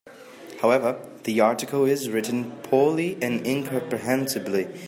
However, the article is written poorly and incomprehensibly.